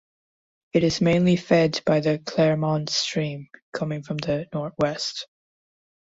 It is mainly fed by the Clermont stream (coming from the northwest).